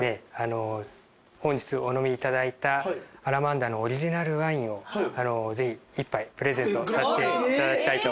本日お飲みいただいたアラマンダのオリジナルワインをぜひ１杯プレゼントさせていただきたいと思います。